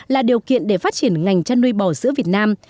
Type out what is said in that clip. là điều kiện để phát triển ngành chăn nuôi bò sữa việt nam